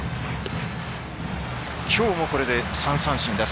きょうもこれで３三振です。